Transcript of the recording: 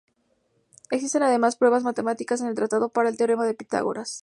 Existen además pruebas matemáticas en el tratado para el teorema de Pitágoras.